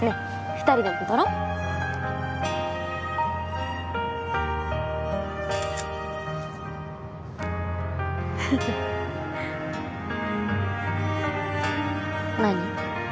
２人でも撮ろう何？